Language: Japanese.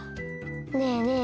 ねえねえ